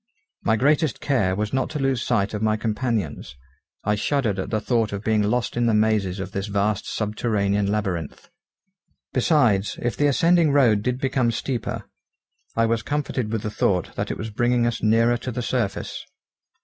My greatest care was not to lose sight of my companions. I shuddered at the thought of being lost in the mazes of this vast subterranean labyrinth. Besides, if the ascending road did become steeper, I was comforted with the thought that it was bringing us nearer to the surface.